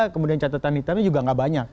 kemudian catatan hitamnya juga nggak banyak